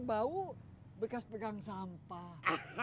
bau bekas pegang sampah